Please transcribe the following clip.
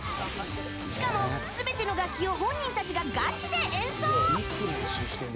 しかも、全ての楽器を本人たちがガチで演奏。